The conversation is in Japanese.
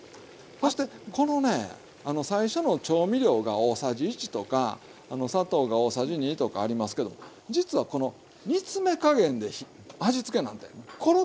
そしてこのね最初の調味料が大さじ１とか砂糖が大さじ２とかありますけど実はこの煮詰め加減で味付けなんてころっと変わるわけですよ。